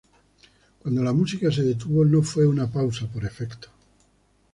Cuando la música se detuvo, no fue una pausa por efecto.